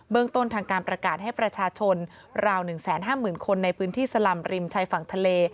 เรื่องต้นทางการประกาศให้ประชาชนราว๑๕๐๐๐คนในพื้นที่สลำริมชายฝั่งทะเล